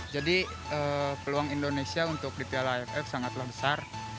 jadi peluang indonesia untuk di piala aff sangatlah besar